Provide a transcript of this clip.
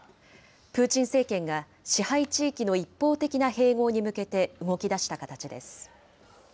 プーチン政権が支配地域の一方的な併合に向けて動きだした形です。